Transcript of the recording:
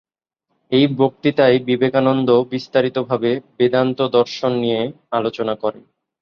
এই বক্তৃতায় বিবেকানন্দ বিস্তারিতভাবে বেদান্ত দর্শন নিয়ে আলোচনা করেন।